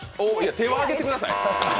手を上げてください。